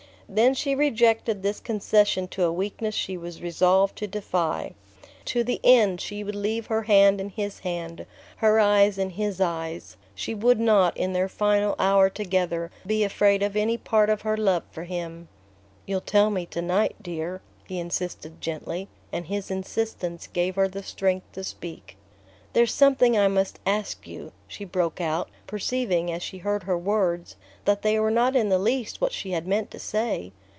Then she rejected this concession to a weakness she was resolved to defy. To the end she would leave her hand in his hand, her eyes in his eyes: she would not, in their final hour together, be afraid of any part of her love for him. "You'll tell me to night, dear," he insisted gently; and his insistence gave her the strength to speak. "There's something I must ask you," she broke out, perceiving, as she heard her words, that they were not in the least what she had meant to say.